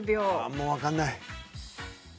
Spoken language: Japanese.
もう分からない。